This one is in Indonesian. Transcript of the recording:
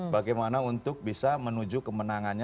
bagaimana untuk bisa menuju kemenangannya